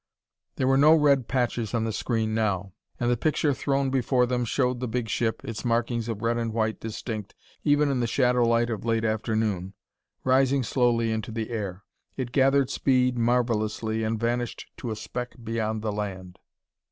There were no red patches on the screen now, and the picture thrown before them showed the big ship, its markings of red and white distinct even in the shadow light of late afternoon, rising slowly into the air. It gathered speed marvelously and vanished to a speck beyond the land.